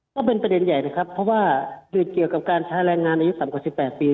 ก็เป็นประเด็นใหญ่นะครับเพราะว่าเกี่ยวกับการใช้แรงงานอายุต่ำกว่า๑๘ปี